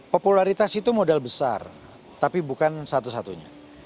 popularitas itu modal besar tapi bukan satu satunya